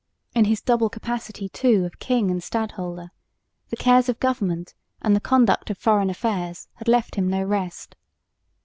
In his double capacity, too, of king and stadholder, the cares of government and the conduct of foreign affairs had left him no rest.